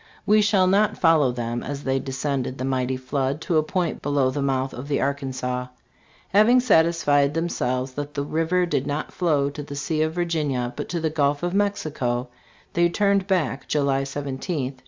We shall not follow them as they de scended the mighty flood to a point below the mouth of the Arkansas. Hav ing satisfied themselves that the river did not flow to the sea of Virginia, but to the Gulf of Mexico, they turned back, July 17, to the north "* *HINSDALE : "The Old Northwset."